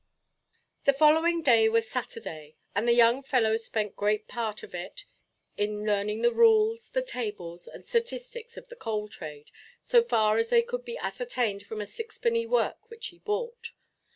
The following day was Saturday, and the young fellow spent great part of it in learning the rules, the tables, and statistics of the coal trade, so far as they could be ascertained from a sixpenny work which he bought.